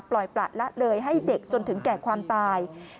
ประละเลยให้เด็กจนถึงแก่ความตาย